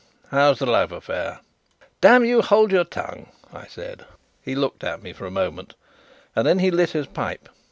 "How's the love affair?" "Damn you, hold your tongue!" I said. He looked at me for a moment, then he lit his pipe.